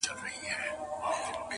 سختې نيوکي وکړې هم ډيري سوې.